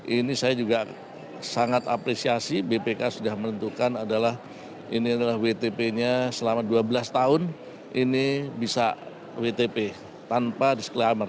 ini saya juga sangat apresiasi bpk sudah menentukan adalah ini adalah wtp nya selama dua belas tahun ini bisa wtp tanpa disclaimer